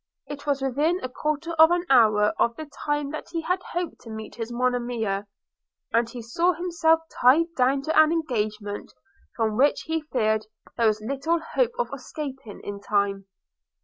It was within a quarter of an hour of the time that he had hoped to meet his Monimia; and he saw himself tied down to an engagement from which he feared there was little hope of escaping in time.